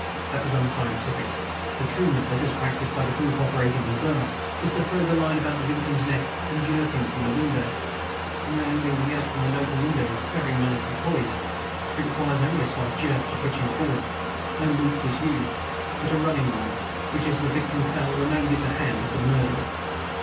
That was unscientific. The true method, as practiced by the group operating in Burma, was to throw the line about the victim's neck and jerk him from the window. A man leaning from an open window is very nicely poised: it requires only a slight jerk to pitch him forward. No loop was used, but a running line, which, as the victim fell, remained in the hand of the murderer.